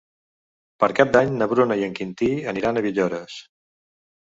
Per Cap d'Any na Bruna i en Quintí aniran a Villores.